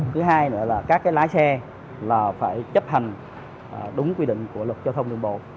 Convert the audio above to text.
thứ hai nữa là các cái lái xe là phải chấp hành đúng quy định của luật cho thông tin